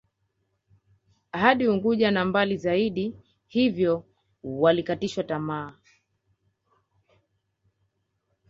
Hadi Unguja na mbali zaidi hiyvo walikatishwa tamaa